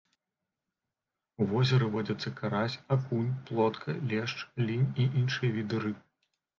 У возеры водзяцца карась, акунь, плотка, лешч, лінь і іншыя віды рыб.